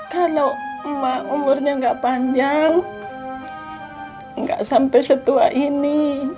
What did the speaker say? kalau emak umurnya nggak panjang nggak sampai setua ini